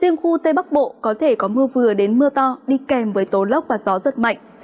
riêng khu tây bắc bộ có thể có mưa vừa đến mưa to đi kèm với tố lốc và gió giật mạnh